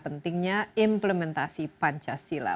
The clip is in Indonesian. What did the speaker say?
pentingnya implementasi pancasila